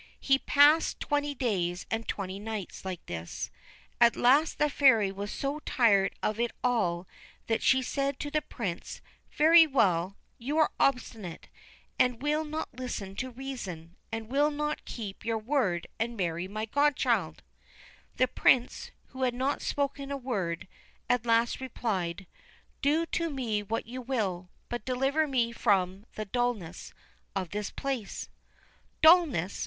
He passed twenty days and twenty nights like this. At last the Fairy was so tired of it all that she said to the Prince, ' Very well; you are obstinate, and will not listen to reason, and will not keep your word and marry my godchild I ' The Prince, who had not spoken a word, at last replied :' Do to me what you will, but deliver me from the dullness of this place I '' Dullness